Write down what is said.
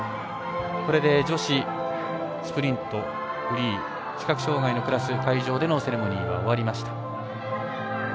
これで、女子スプリントフリー視覚障がいのクラス会場でのセレモニーが終わりました。